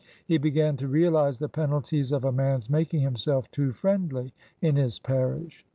He began to realize the penalties of a man's making himself too friendly in his parish.